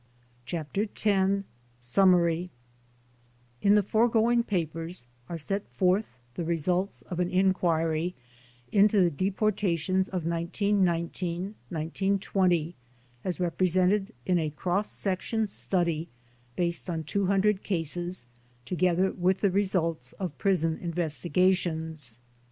CHAPTER X SUMMARY In the foregoing papers are set forth the results of an inquiry into the deportations of 1919 1920 as represented in a cross section study, based on two hundred cases, to gether with the results of prison investigations.